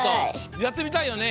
やってみたいよね。